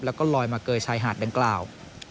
แล้วก็ลอยมาเกยชายหาดดังกล่าว